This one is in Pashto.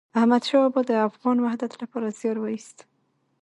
احمد شاه بابا د افغان وحدت لپاره زیار وایست.